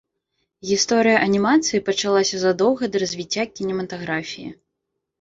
Гісторыя анімацыі пачалася задоўга да развіцця кінематаграфіі.